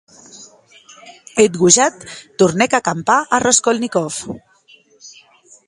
Eth gojat tornèc a guardar a Raskolnikov.